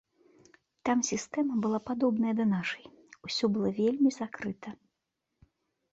Там сістэма была падобная да нашай, усё было вельмі закрыта.